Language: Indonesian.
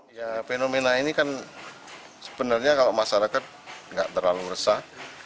ya fenomena ini kan sebenarnya kalau masyarakat nggak terlalu resah